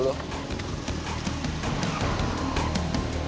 terima kasih pak ya